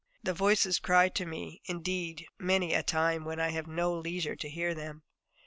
The voices cry to me, indeed, many a time when I have no leisure to hear them.